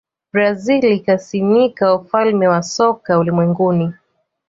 brazil ikasimika ufalme wa soka ulimwenguni